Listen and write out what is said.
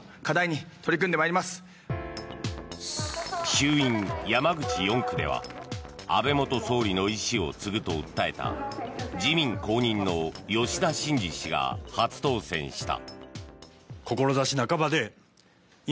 衆院山口４区では安倍元総理の遺志を継ぐと訴えた自民公認の吉田真次氏が初当選した。